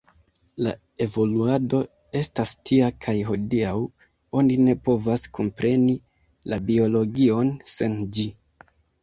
La evoluado estas tia kaj hodiaŭ oni ne povas kompreni la biologion sen ĝi.